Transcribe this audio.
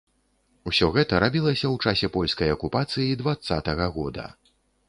Усё гэта рабілася ў часе польскай акупацыі дваццатага года.